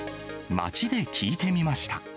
街で聞いてみました。